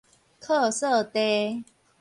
洘燥地